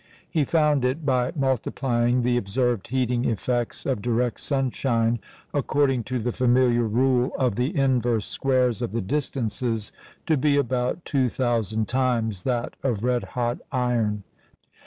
He found it, by multiplying the observed heating effects of direct sunshine according to the familiar rule of the "inverse squares of the distances," to be about 2,000 times that of red hot iron.